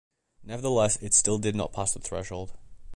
Nevertheless, it still did not pass the threshold.